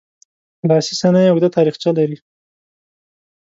لاسي صنایع اوږده تاریخچه لري.